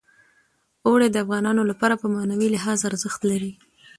اوړي د افغانانو لپاره په معنوي لحاظ ارزښت لري.